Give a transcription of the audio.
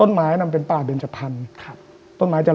หายไไป